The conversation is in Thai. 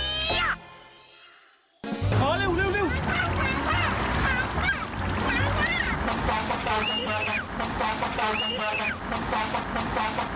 พี่รถสิบล้อนนี่อย่างกับนักดนตรงนักดนตรีที่อยู่บนเวที